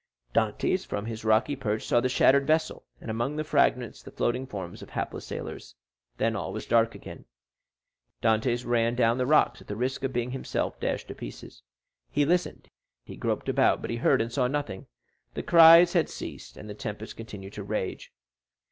Dantès from his rocky perch saw the shattered vessel, and among the fragments the floating forms of the hapless sailors. Then all was dark again. Dantès ran down the rocks at the risk of being himself dashed to pieces; he listened, he groped about, but he heard and saw nothing—the cries had ceased, and the tempest continued to rage.